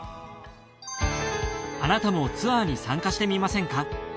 あなたもツアーに参加してみませんか？